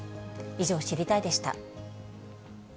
以上、知りたいッ！でした。